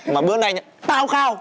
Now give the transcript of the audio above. mà bữa nay tao khao